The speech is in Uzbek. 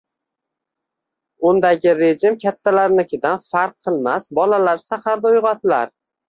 Undagi rejim kattalarnikidan farq qilmas, bolalar saharda uyg’otilar